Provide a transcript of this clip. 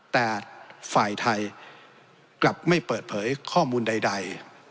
แต่ฝ่ายไทยกลับไม่เปิดเผยข้อมูลใด